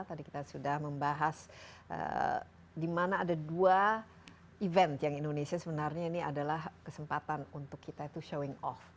tadi kita sudah membahas di mana ada dua event yang indonesia sebenarnya ini adalah kesempatan untuk kita itu showing off